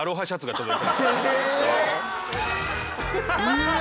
うわ。